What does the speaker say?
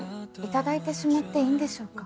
頂いてしまっていいんでしょうか。